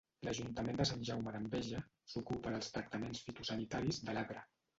L'Ajuntament de Sant Jaume d'Enveja s'ocupa dels tractaments fitosanitaris de l'arbre.